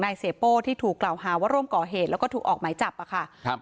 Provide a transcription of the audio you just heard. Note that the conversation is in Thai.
เสียโป้ที่ถูกกล่าวหาว่าร่วมก่อเหตุแล้วก็ถูกออกหมายจับอะค่ะครับ